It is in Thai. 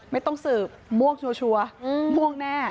ไม่ต้องสืบม่วงชัวร์ม่วงแน่